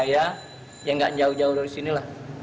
mungkin saya yang gak jauh jauh dari sini saya yang mau nginep semua